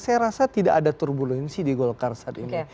saya rasa tidak ada turbulensi di golkar saat ini